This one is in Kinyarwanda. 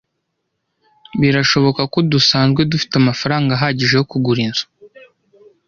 Birashoboka ko dusanzwe dufite amafaranga ahagije yo kugura inzu.